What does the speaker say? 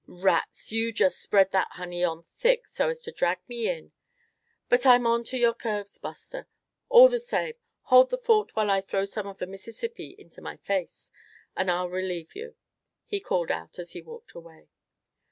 "Rats! you just spread that honey on thick so as to drag me in; but I'm on to your curves, Buster. All the same, hold the fort while I throw some of the Mississippi into my face, and I'll relieve you," he called out as he walked away.